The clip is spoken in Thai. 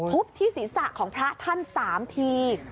ทุบที่ศีรษะของพระท่าน๓ที